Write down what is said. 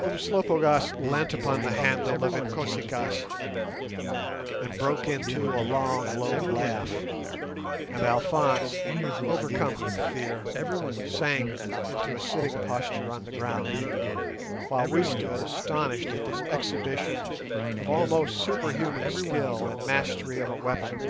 Umslopogaas leant upon the handle of Inkosi kaas, and broke into a long, low laugh; and Alphonse, overcome with fear, sank into a sitting posture on the ground, while we stood astonished at this exhibition of almost superhuman skill and mastery of a weapon.